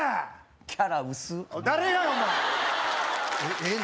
キャラ薄っ誰がやお前ええの？